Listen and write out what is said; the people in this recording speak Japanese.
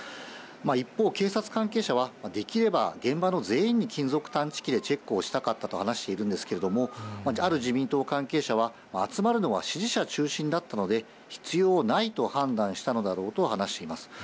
一方、警察関係者は、できれば現場の全員に金属探知機でチェックをしたかったと話しているんですけれども、ある自民党関係者は、集まるのは支持者中心だったので必要ないと判断したのだろうと話しています。